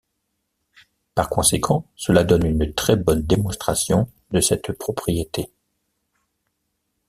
Par conséquent, cela donne une très bonne démonstration de cette propriété.